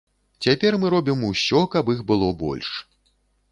Цяпер мы робім усё, каб іх было больш.